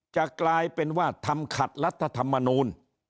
จะกลายเป็นว่าทำขัดรัฐธรรมนูล